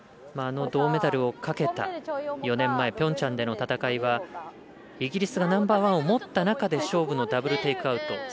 あの銅メダルをかけた４年前ピョンチャンでの戦いはイギリスがナンバーワンを持った中で勝負のダブル・テイクアウト。